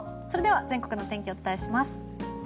それでは全国の天気をお伝えします。